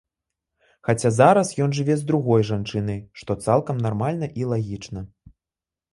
Хаця зараз ён жыве з другой жанчынай, што цалкам нармальна і лагічна.